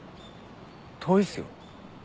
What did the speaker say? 遠いっすよ？